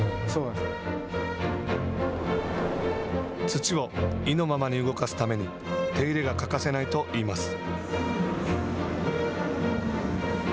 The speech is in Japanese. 土を意のままに動かすために手入れが欠かせないといいます。